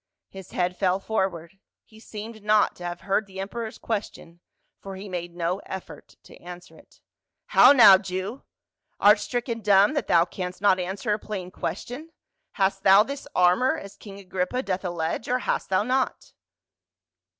His head fell forward ; he seemed not to have heard the emperor's question for he made no effort to answer it. " How now, Jew ! art stricken dumb that thou canst not answer a plain question ? Hast thou this armor, as king Agrippa doth allege, or hast thou not?"